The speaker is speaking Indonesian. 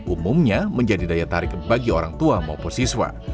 umumnya menjadi daya tarik bagi orang tua maupun siswa